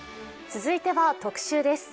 続いては特集です。